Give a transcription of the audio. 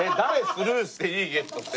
スルーしていいゲストって。